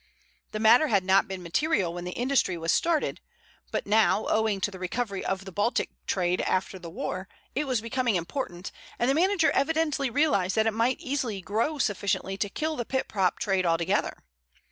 The matter had not been material when the industry was started, but now, owing to the recovery of the Baltic trade after the war, it was becoming important, and the manager evidently realized that it might easily grow sufficiently to kill the pit prop trade altogether.